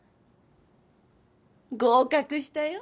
合格したよ。